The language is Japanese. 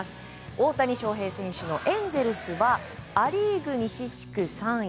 大谷翔平選手のエンゼルスはア・リーグ西地区３位